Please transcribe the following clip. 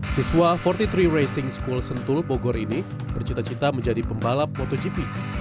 siswa empat puluh tiga racing school sentul bogor ini bercita cita menjadi pembalap motogp